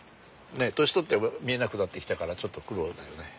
年取って見えなくなってきたからちょっと苦労だよね。